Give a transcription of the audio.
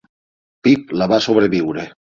Pip la va sobreviure.